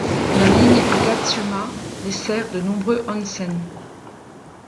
La ligne Agatsuma dessert de nombreux onsen.